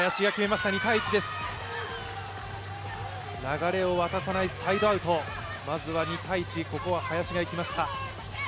流れを渡さないサイドアウト、まずは林がいきました。